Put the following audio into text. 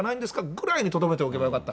ぐらいにとどめておけばよかった。